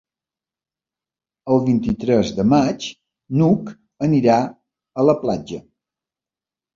El vint-i-tres de maig n'Hug anirà a la platja.